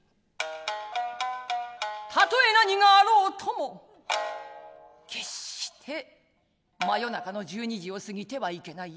たとえ何があろうともけっして真夜中の十二時をすぎてはいけないよ。